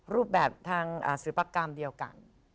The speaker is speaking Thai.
รูปแบบทางศิลปกรรมเดียวกัน